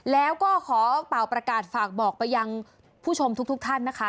แล้วก็ขอเป่าประกาศฝากบอกไปยังผู้ชมทุกท่านนะคะ